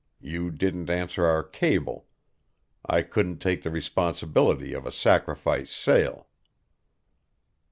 You didn't answer our cable. I couldn't take the responsibility of a sacrifice sale."